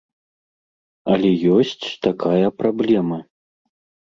Але ёсць такая праблема.